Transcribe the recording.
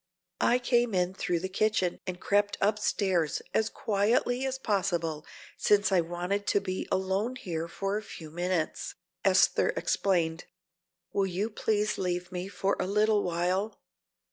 "I came in through the kitchen and crept upstairs as quietly as possible, since I wanted to be alone here for a few minutes," Esther explained. "Will you please leave me for a little while?"